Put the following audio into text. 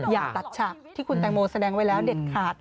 อย่าตัดฉากที่คุณแตงโมแสดงไว้แล้วเด็ดขาด